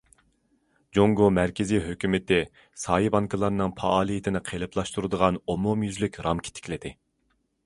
جۇڭگو مەركىزىي ھۆكۈمىتى سايە بانكىلارنىڭ پائالىيىتىنى قېلىپلاشتۇرىدىغان ئومۇميۈزلۈك رامكا تىكلىدى.